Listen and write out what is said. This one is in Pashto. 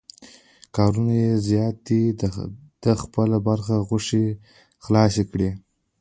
کارونه یې زیات دي، ده خپله برخه غوښې خلاصې کړې.